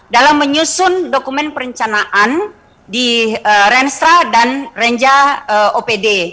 dalam menyusun dokumen perencanaan di renstra dan renja opd